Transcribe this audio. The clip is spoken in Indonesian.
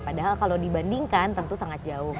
padahal kalau dibandingkan tentu sangat jauh